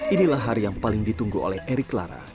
inilah hari yang paling ditunggu oleh erik lara